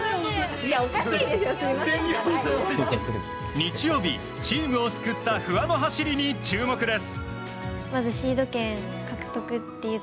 日曜日、チームを救った不破の走りに注目です。